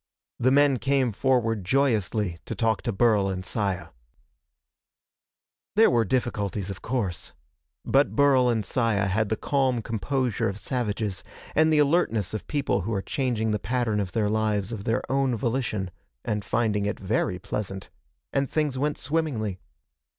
The men came forward joyously to talk to Burl and Saya. There were difficulties, of course. But Burl and Saya had the calm composure of savages, and the alertness of people who are changing the pattern of their lives of their own volition and finding it very pleasant and things went swimmingly.